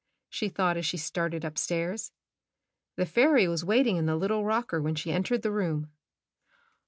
she thought as she started upstairs. The fairy was waiting in the little rocker when she entered the room.